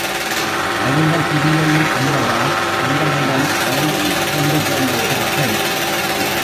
அருணகிரியையும் அல்லவா தங்களுடன் அழைத்துக் கொண்டு போய் விட்டார்கள்!